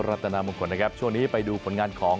รัฐนามงคลนะครับช่วงนี้ไปดูผลงานของ